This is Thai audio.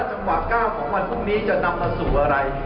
จังหวะก้าวของวันพรุ่งนี้จะนำมาสู่อะไร